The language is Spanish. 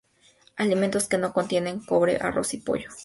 Alimentos que no contienen cobre: arroz y pollo.